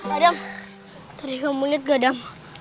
adam tadi kamu lihat gak adam